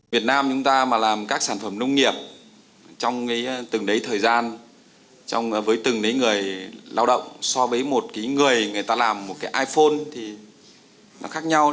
việt nam chúng ta mà làm các sản phẩm nông nghiệp trong từng đấy thời gian với từng người lao động so với một cái người người ta làm một cái iphone thì nó khác nhau